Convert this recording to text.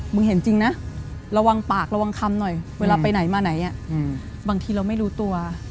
เห็นจริงนะระวังปากระวังคำหน่อยเวลาไปไหนมาไหนบางทีเราไม่รู้ตัว